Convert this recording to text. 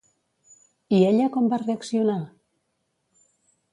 I ella com va reaccionar?